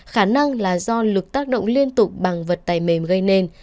khả năng là do lực tác động liên tục bằng vật tài mềm gây nền